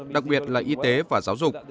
đặc biệt là y tế và giáo dục